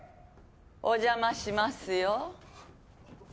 お邪魔しますよ。